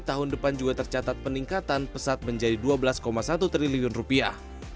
tahun depan juga tercatat peningkatan pesat menjadi dua belas satu triliun rupiah